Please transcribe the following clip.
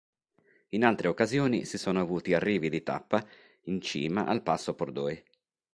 In altre occasioni si sono avuti arrivi di tappa in cima al Passo Pordoi.